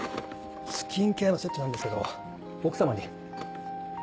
スキンケアのセットなんですけど奥さまに。